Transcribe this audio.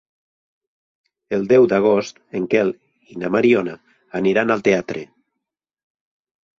El deu d'agost en Quel i na Mariona aniran al teatre.